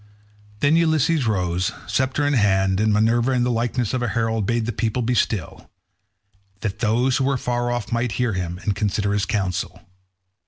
Then Ulysses rose, sceptre in hand, and Minerva in the likeness of a herald bade the people be still, that those who were far off might hear him and consider his council.